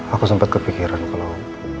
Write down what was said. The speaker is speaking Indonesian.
aku sempat kepikiran kalau